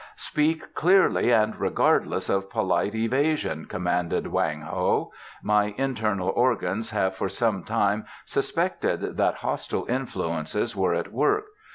"Speak clearly and regardless of polite evasion," commanded Wang Ho. "My internal organs have for some time suspected that hostile influences were at work.